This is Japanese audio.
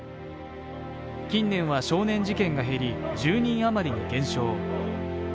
近年は少年事件が減り、１０人余りに減少。